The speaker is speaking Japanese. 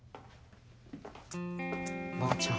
ばあちゃん。